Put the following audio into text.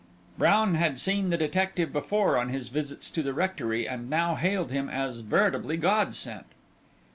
Brown had seen the detective before on his visits to the rectory, and now hailed him as veritably god sent.